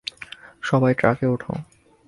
সবাই ট্রাকে ওঠো!